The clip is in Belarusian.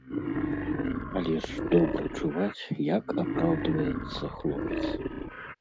Але ж добра чуваць, як апраўдваецца хлопец.